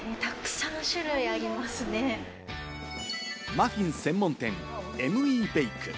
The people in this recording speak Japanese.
マフィン専門店・ＭＥＢＡＫＥ。